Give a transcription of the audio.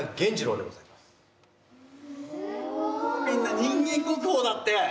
みんな人間国宝だって！